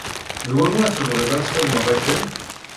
D wanwa tebɣiḍ ad txedmeḍ akken?